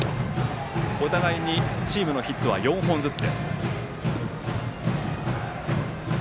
お互いチームのヒットは４本ずつ。